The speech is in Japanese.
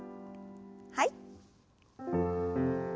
はい。